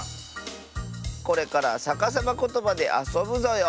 これからさかさまことばであそぶぞよ。